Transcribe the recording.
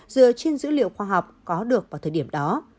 dựa trên dữ liệu khoa học có được vào thời điểm đó